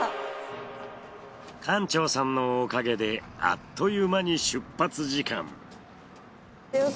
館長さんのおかげであっという間に出発時間。